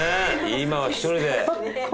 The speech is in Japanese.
今は１人で。